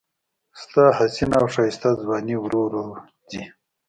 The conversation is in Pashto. ستا حسینه او ښایسته ځواني ورو ورو ځي